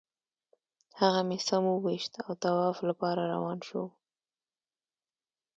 هغه مې سم وویشت او طواف لپاره روان شوو.